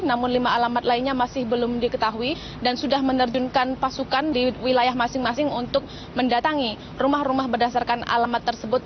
namun lima alamat lainnya masih belum diketahui dan sudah menerjunkan pasukan di wilayah masing masing untuk mendatangi rumah rumah berdasarkan alamat tersebut